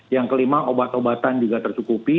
yang kelima obat obatan juga tercukupi